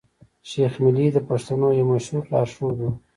شېخ ملي د پښتنو يو مشهور لار ښود وو.